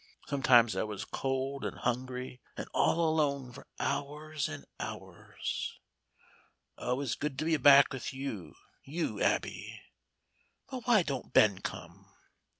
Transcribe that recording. Sometimes I was cold and hungry and all alone for hours and hours. Oh, it's good to be back home with you you, Abby but why don't Ben come?"